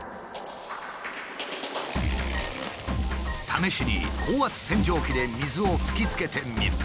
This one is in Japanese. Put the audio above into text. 試しに高圧洗浄機で水を吹きつけてみる。